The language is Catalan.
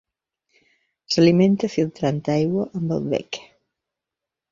S'alimenta filtrant aigua amb el bec.